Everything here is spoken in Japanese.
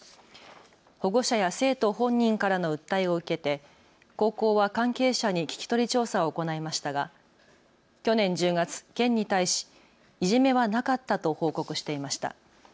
保護者や生徒本人からの訴えを受けて、高校は関係者に聞き取り調査を行いましたが去年１０月、県に対し、いじめはなかったと報告していました。